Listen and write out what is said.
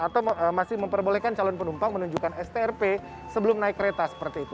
atau masih memperbolehkan calon penumpang menunjukkan strp sebelum naik kereta seperti itu